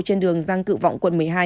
trên đường giang cự vọng quận một mươi hai